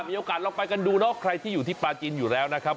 มีโอกาสลองไปกันดูเนาะใครที่อยู่ที่ปลาจีนอยู่แล้วนะครับ